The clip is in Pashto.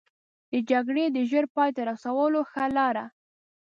د جګړې د ژر پای ته رسولو ښه لاره.